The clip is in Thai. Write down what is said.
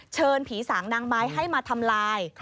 เชิญผีสางนางไม้ให้มาทำลาย